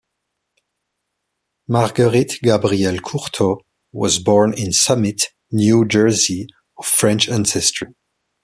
Marguerite Gabrielle Courtot was born in Summit, New Jersey of French ancestry.